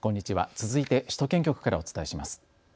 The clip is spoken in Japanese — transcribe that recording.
続いて首都圏局からお伝えします。